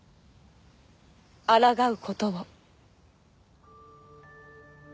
あらがうことを。